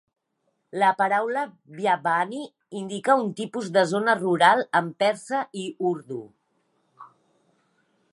La paraula "Biabani" indica un tipus de zona rural en persa i urdú.